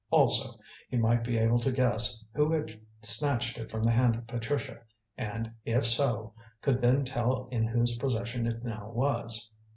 Also, he might be able to guess who had snatched it from the hand of Patricia, and, if so, could then tell in whose possession it now was.